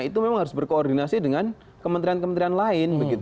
itu memang harus berkoordinasi dengan kementerian kementerian lain